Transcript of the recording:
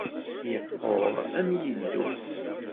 Iqquṛ am yiddew.